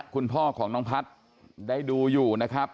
คุณพ่อของน้องพัฒน์ได้ดูอยู่นะครับ